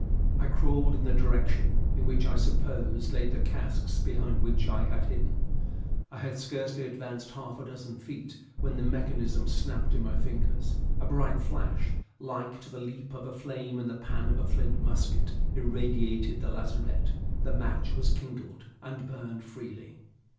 I crawled in the direction in which I supposed lay the casks behind which I had hidden. I had scarcely advanced half a dozen feet when the mechanism snapped in my fingers; a bright flash, like to the leap of a flame in the pan of a flint musket, irradiated the lazarette; the match was kindled, and burnt freely.